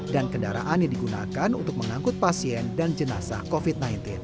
dan kendaraan ini digunakan untuk mengangkut pasien dan jenazah covid sembilan belas